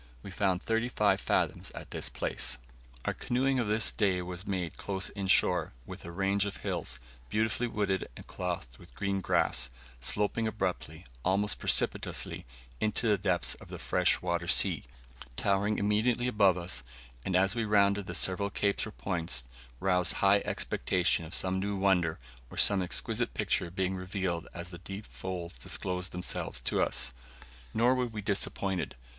We found thirty five fathoms at this place. Our canoeing of this day was made close in shore, with a range of hills, beautifully wooded and clothed with green grass, sloping abruptly, almost precipitously, into the depths of the fresh water sea, towering immediately above us, and as we rounded the several capes or points, roused high expectations of some new wonder, or some exquisite picture being revealed as the deep folds disclosed themselves to us. Nor were we disappointed.